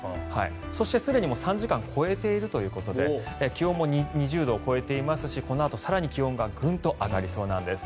そして、もうすでに３時間を超えているということで気温も２０度を超えていますしこのあと更に気温がぐんと上がりそうなんです。